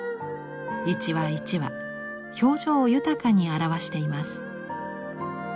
一羽一羽表情豊かに表しています。